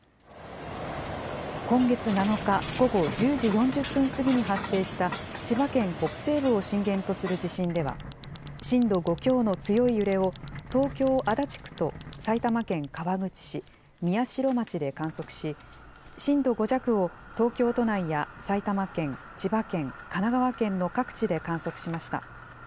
今月７日午後１０時４０分過ぎに発生した、千葉県北西部を震源とする地震では、震度５強の強い揺れを東京・足立区と埼玉県川口市、宮代町で観測し、震度５弱を東京都内や埼玉県、千葉県、神奈川県の各地で観測しました。